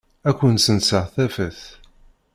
Ad kent-senseɣ tafat?